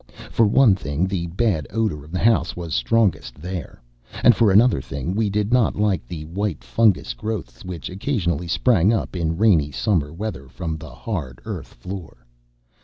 For one thing, the bad odor of the house was strongest there; and for another thing, we did not like the white fungous growths which occasionally sprang up in rainy summer weather from the hard earth floor.